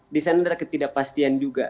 di sana ada ketidakpastian juga